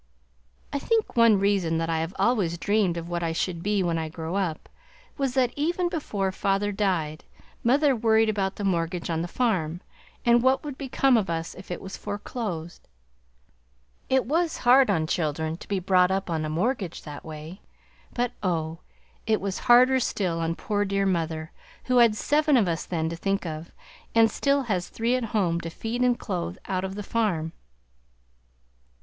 I think one reason that I have always dreamed of what I should be, when I grew up, was, that even before father died mother worried about the mortgage on the farm, and what would become of us if it were foreclosed. It was hard on children to be brought up on a mortgage that way, but oh! it was harder still on poor dear mother, who had seven of us then to think of, and still has three at home to feed and clothe out of the farm.